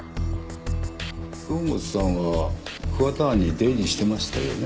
堂本さんは桑田庵に出入りしてましたよね？